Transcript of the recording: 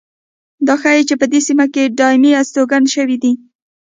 دا ښيي چې په دې سیمه کې دایمي هستوګنه شوې ده.